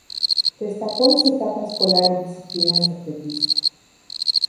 Destacó en su etapa escolar en disciplinas de atletismo.